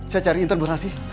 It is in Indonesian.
saya cari intan bu narsi